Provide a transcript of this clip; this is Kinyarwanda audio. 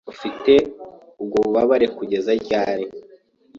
Ufite ubwo bubabare kugeza ryari?